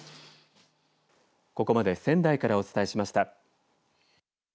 ここまで仙台からお伝えしました。